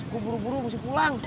aku buru buru mesti pulang